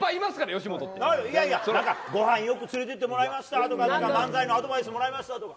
いやいや、ごはんよく連れてってもらいましたとか漫才のアドバイスもらいましたとか。